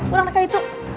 kurang ada di situ